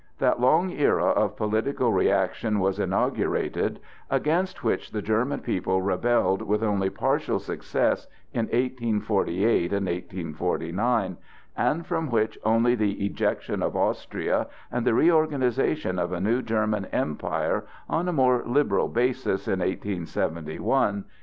That long era of political reaction was inaugurated against which the German people rebelled with only partial success in 1848 and 1849, and from which only the ejection of Austria and the reorganization of a new German Empire on a more liberal basis in 1871 gave them permanent relief.